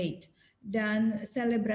dan juga tipe t afghani malaysia